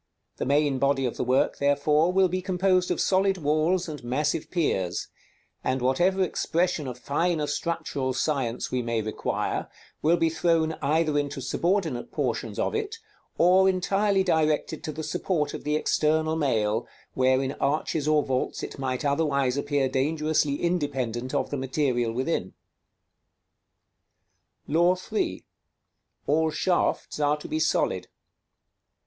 The main body of the work, therefore, will be composed of solid walls and massive piers; and whatever expression of finer structural science we may require, will be thrown either into subordinate portions of it, or entirely directed to the support of the external mail, where in arches or vaults it might otherwise appear dangerously independent of the material within. § XXXII. LAW III. _All shafts are to be solid.